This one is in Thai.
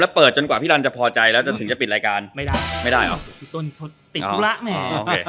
แล้วเปิดจนกว่าพี่รันจะพอใจแล้วจะถึงจะปิดรายการไม่ได้ไม่ได้หรอสูตรที่ติดภูระแหมอ่ะ